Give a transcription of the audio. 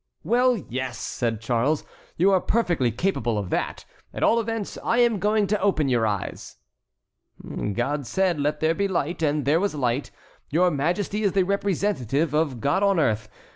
"Well, yes!" said Charles, "you are perfectly capable of that. At all events, I am going to open your eyes." "God said, 'Let there be light,' and there was light. Your Majesty is the representative of God on earth.